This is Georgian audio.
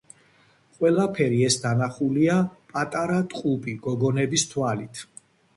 ყველაფერი ეს დანახულია პატარა ტყუპი გოგონების თვალით.